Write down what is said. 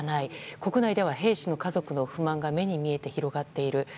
国内では兵士の家族の不満が目に見えて広がっている。